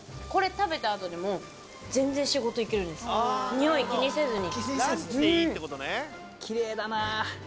におい気にせずに。